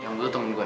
yang dulu temen gue